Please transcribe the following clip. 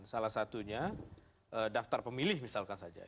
salah satunya daftar pemilih misalkan saja